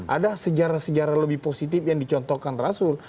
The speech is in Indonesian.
ada sejarah sejarah lebih positif yang dicontohkan rasul